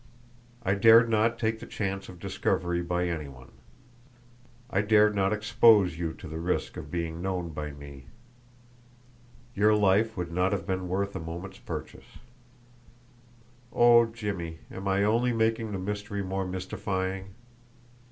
I dared not take the chance of discovery by any one; I dared not expose you to the risk of being known by me. Your life would not have been worth a moment's purchase. Oh, Jimmie, am I only making the mystery more mystifying?